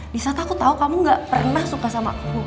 disaat aku tau kamu gak pernah suka sama aku